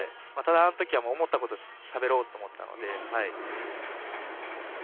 ただ、あのときは思ったことをしゃべろうと思ったので。